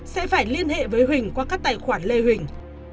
sẽ phải liên hệ với huỳnh qua các tài khoản lê huỳnh